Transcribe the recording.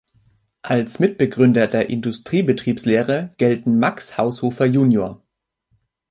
Als Mitbegründer der Industriebetriebslehre gelten Max Haushofer Jr.